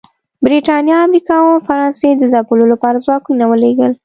برېټانیا، امریکا او فرانسې د ځپلو لپاره ځواکونه ولېږل